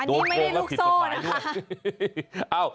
อันนี้ไม่ได้ลูกโซ่นะคะ